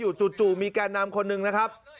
อยู่จู่มีแกนนามคนหนึ่งนะครับ